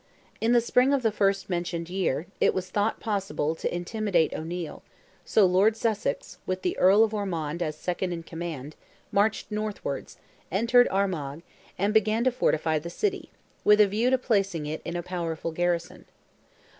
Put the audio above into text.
In the spring of the first mentioned year, it was thought possible to intimidate O'Neil, so Lord Sussex, with the Earl of Ormond as second in command, marched northwards, entered Armagh, and began to fortify the city, with a view to placing in it a powerful garrison.